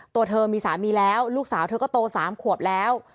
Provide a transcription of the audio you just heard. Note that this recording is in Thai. ตัวเธอมีสามีแล้วลูกสาวเธอก็โต๓ขวบแล้ว